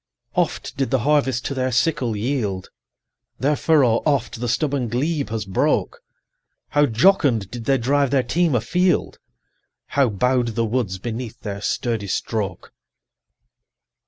Oft did the harvest to their sickle yield, 25 Their furrow oft the stubborn glebe has broke; How jocund did they drive their team afield! How bow'd the woods beneath their sturdy stroke!